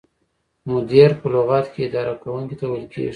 مدیر په لغت کې اداره کوونکي ته ویل کیږي.